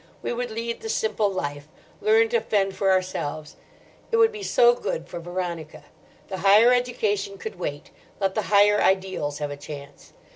We would lead the simple life, learn to fend for ourselves. It would be so good for Veronica. The higher education could wait; let the higher ideals have a chance.